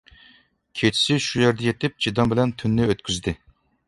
كېچىسى شۇ يەردە يېتىپ چىدام بىلەن تۈننى ئۆتكۈزدى.